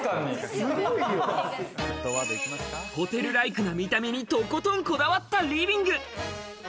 ホテルライクな見た目にとことんこだわったリビング。